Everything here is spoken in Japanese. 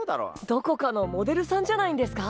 どこかのモデルさんじゃないんですか？